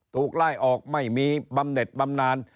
ถูกไล่ออกไม่มีบำเน็ตบำนาน